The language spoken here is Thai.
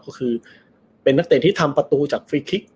ก็คือเป็นนักเตะที่ทำประตูจากฟรีคลิก